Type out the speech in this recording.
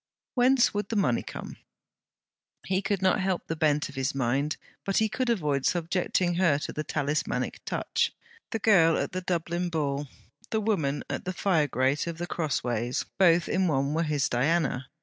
Whence would the money come? He could not help the bent of his mind; but he could avoid subjecting her to the talismanic touch. The girl at the Dublin Ball, the woman at the fire grate of The Crossways, both in one were his Diana.